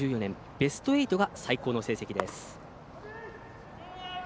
ベスト８が最高の成績です。